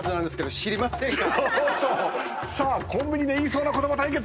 コンビニで言いそうな言葉対決。